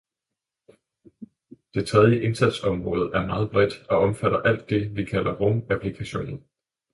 Det tredje indsatsområde er meget bredt og omfatter alt det, vi kalder rumapplikationer.